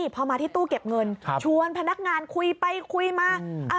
พอมาที่ตู้เก็บเงินชวนพนักงานคุยไปคุยมา